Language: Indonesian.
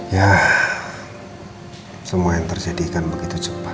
ya semua yang terjadikan begitu cepat